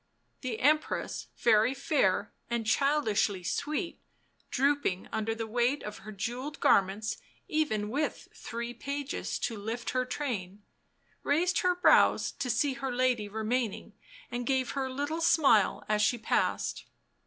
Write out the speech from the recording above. The Empress very fair and childishly sweet, drooping under the weight of her jewelled garments even with three pages to lift her train, raised her brows to see her lady remaining and gave her a little smile as she passed.